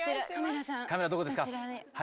カメラどこですか？